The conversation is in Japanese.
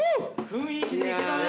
雰囲気でいけたね。